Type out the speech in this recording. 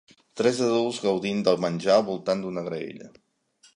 Tres adults gaudint del menjar al voltant d'una graella.